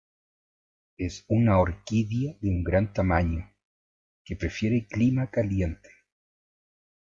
Es una orquídea de un gran tamaño, que prefiere clima caliente.